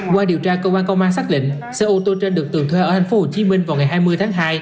qua điều tra cơ quan công an xác lĩnh xe ô tô trên được tường thuê ở thành phố hồ chí minh vào ngày hai mươi tháng hai